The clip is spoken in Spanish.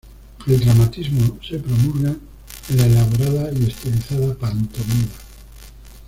El dramatismo se promulgan en la elaborada y estilizada pantomima.